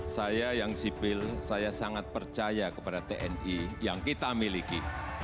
saya yang sipil saya sangat percaya kepada tni yang kita miliki